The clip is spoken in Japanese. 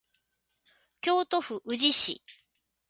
京都府宇治市